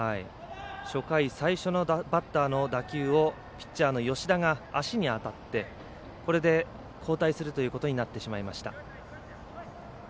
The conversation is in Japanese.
初回最初のバッターの打球をピッチャーの吉田が足に当たって、これで交代するということになってしまいました。